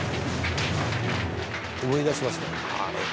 思い出しましたよ。